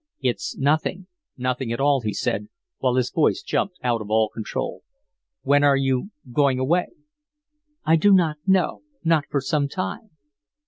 "It's nothing nothing at all," he said, while his voice jumped out of all control. "When are you going away?" "I do not know not for some time."